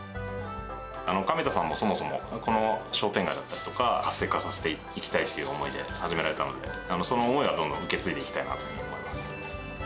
紙田さんも、そもそも、この商店街だったりとか、活性化させていきたいっていう思いで始められたので、その思いはどんどん受け継いでいきたいなと思います。